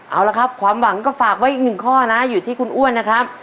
เอาละครับความหวังก็ฝากไว้อีกหนึ่งข้อนะอยู่ที่คุณอ้วนนะครับ